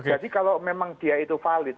jadi kalau memang dia itu valid